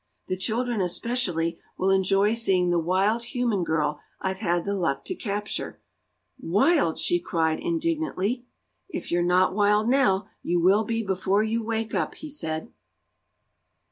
The children, especially, will enjoy seeing the wild human girl I've had the luck to capture." "Wild!" she cried, indignantly. "If you're not wild now, you will be before you wake up," he said.